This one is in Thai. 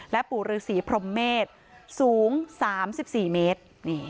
และปู่ฤษีพรหมเมตรสูง๓๔เมตร